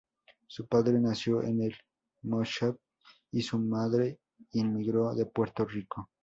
Su padre nació en el Moshav y su madre inmigró de Puerto Rico.